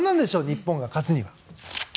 日本が勝つには。